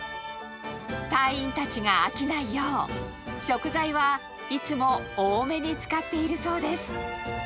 隊員たちが飽きないよう、食材はいつも多めに使っているそうです。